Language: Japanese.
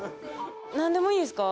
なんでもいいですか？